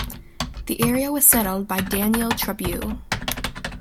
The area was settled by Daniel Trabue.